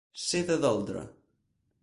Ser de doldre.